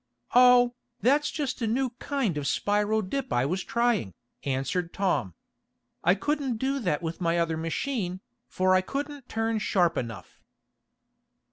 "Oh, that's just a new kind of spiral dip I was trying," answered Tom. "I couldn't do that with my other machine, for I couldn't turn sharp enough."